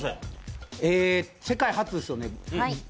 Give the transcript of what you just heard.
世界初っすよね？